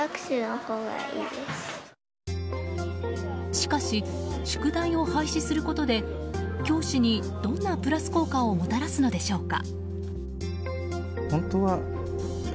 しかし、宿題を廃止することで教師にどんなプラス効果をもたらすのでしょうか？